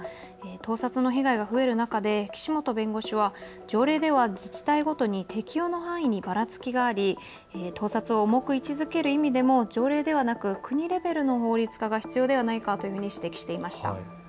盗撮の被害が増える中で岸本弁護士は条例では自治体の適用の範囲にばらつきがあり盗撮を重く位置づける意味でも条例ではなく国レベルの法律化が必要ではないかと話していました。